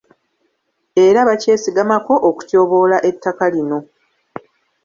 Era bakyesigamako okutyoboola ettaka lino.